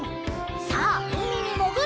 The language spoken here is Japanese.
さあうみにもぐるよ！